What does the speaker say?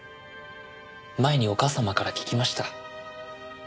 前にお母様から聞きました。